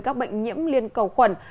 các bệnh nhiễm liên cầu khuẩn